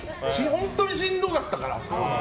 本当にしんどかったから。